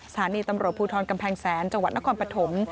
สถานีตำรวจภูทรกำแพงแสนจังหวัดนครปฐม